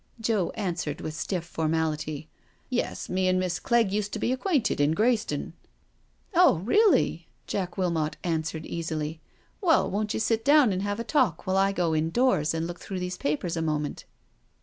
Joe answered with stiff formality: "Yes, me and Miss Clegg used to be acquainted in Greyston." " Oh, really I " Jack Wilmot answered easily. " Well; won't you sit down and have a talk while I go indoors and look through these papers a moment?"